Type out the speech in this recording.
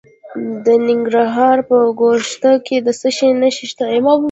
د ننګرهار په ګوشته کې د څه شي نښې دي؟